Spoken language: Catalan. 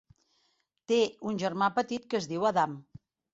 Té un germà petit que es diu Adam.